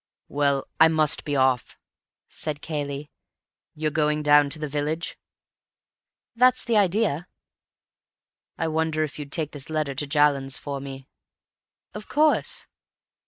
"Well, I must be off," said Cayley. "You're going down to the village?" "That's the idea." "I wonder if you'd take this letter to Jallands for me?" "Of course."